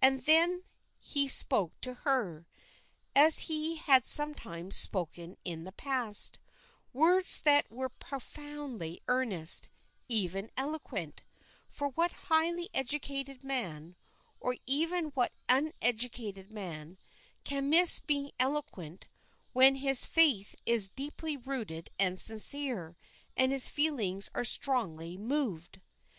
And then he spoke to her as he had sometimes spoken in the past words that were profoundly earnest, even eloquent, for what highly educated man, or even what uneducated man, can miss being eloquent when his faith is deeply rooted and sincere, and his feelings are strongly moved?